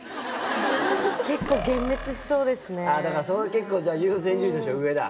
結構優先順位としては上だ。